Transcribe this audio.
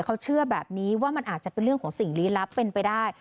เขาเชื่อแบบนี้ว่ามันอาจจะเป็นเรื่องของสิ่งลี้ลับเป็นไปได้